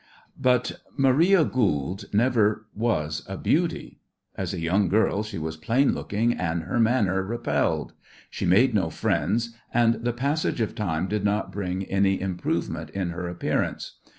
But Marie Goold never was a beauty. As a young girl she was plain looking and her manner repelled. She made no friends, and the passage of time did not bring any improvement in her appearance.